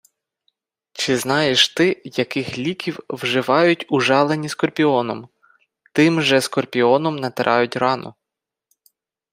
Чи знаєш ти, яких ліків вживають ужалені скорпіоном? Тим же скорпіоном натирають рану.